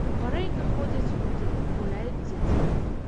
Па рэйках ходзяць людзі, гуляюць дзеці.